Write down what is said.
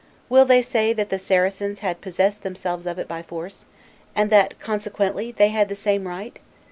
Will they say, that the Saracens had possessed themselves of it by force, and that, consequently, they had the same right?